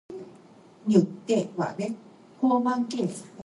This act erected Youngstown, in the County of Westmoreland, into a Borough.